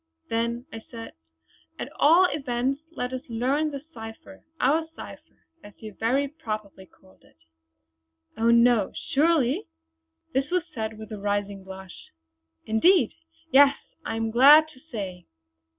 "Then," said I, "at all events let us learn the cipher our cipher as you very properly called it." "Oh no! surely?" this was said with a rising blush. "Indeed, yes I am glad to say!"